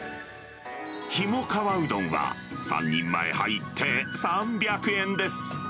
ひもかわうどんは、３人前入って３００円です。